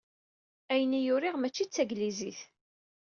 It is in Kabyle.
Ayen i yuriɣ mačči d taglizit.